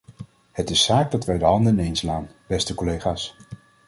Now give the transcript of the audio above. Het is zaak dat wij de handen ineenslaan, beste collega’s.